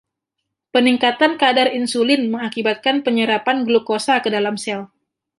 Peningkatan kadar insulin mengakibatkan penyerapan glukosa ke dalam sel.